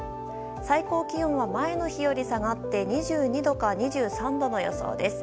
最高気温は前の日より下がって２２度か２３度の予想です。